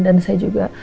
dan saya juga